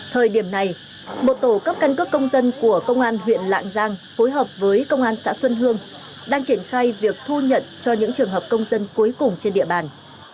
thời điểm này một tổ cấp căn cước công dân của công an huyện lạng giang phối hợp với công an xã xuân hương đang triển khai việc thu nhận cho những trường hợp công dân cuối cùng trên địa bàn